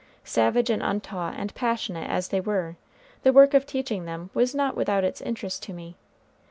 Savage and untaught and passionate as they were, the work of teaching them was not without its interest to me.